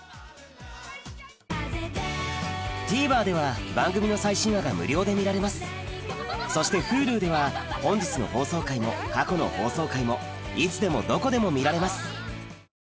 ＴＶｅｒでは番組の最新話が無料で見られますそしてＨｕｌｕでは本日の放送回も過去の放送回もいつでもどこでも見られます